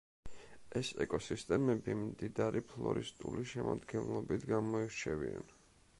ეს ეკოსისტემები მდიდარი ფლორისტული შემადგენლობით გამოირჩევიან.